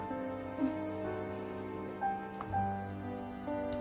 うん。